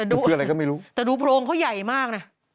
ดูโพรงเค้าใหญ่มากซักอยู่แต่รู้อะไรก็ไม่รู้